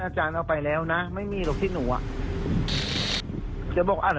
อาจารย์เอาไปแล้วนะไม่มีหรอกที่หนูอ่ะจะบอกอ่า